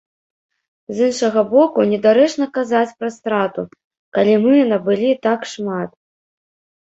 З іншага боку, недарэчна казаць пра страту, калі мы набылі так шмат.